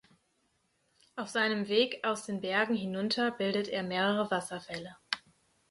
Auf seinem Weg aus den Bergen hinunter bildet er mehrere Wasserfälle.